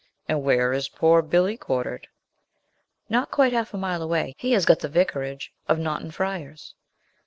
'And where is poor Billy quartered?' 'Not quite half a mile away; he has got the vicarage of Naunton Friars.'